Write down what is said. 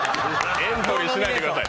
エントリーしないでください。